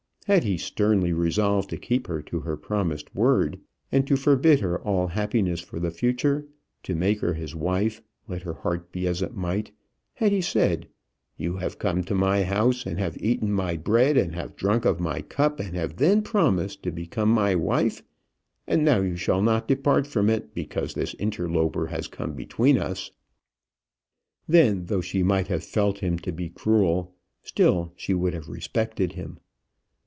Had he sternly resolved to keep her to her promised word, and to forbid her all happiness for the future, to make her his wife, let her heart be as it might; had he said: "you have come to my house, and have eaten my bread and have drunk of my cup, and have then promised to become my wife, and now you shall not depart from it because this interloper has come between us;" then, though she might have felt him to be cruel, still she would have respected him.